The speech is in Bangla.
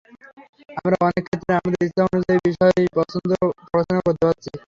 আমরা অনেক ক্ষেত্রেই আমাদের ইচ্ছা অনুযায়ী বিষয় পছন্দ করে পড়াশোনা করতে পারছি।